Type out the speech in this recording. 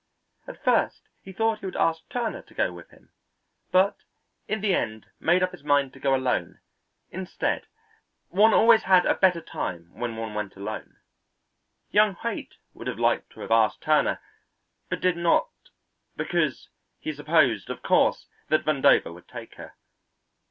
At first he thought he would ask Turner to go with him, but in the end made up his mind to go alone, instead; one always had a better time when one went alone. Young Haight would have liked to have asked Turner, but did not because he supposed, of course, that Vandover would take her.